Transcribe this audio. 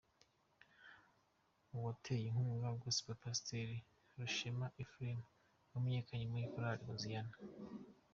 Uwateye inkunga Gospel: Pasiteri Rushema Ephraim wamenyekanye muri Korali Hoziana.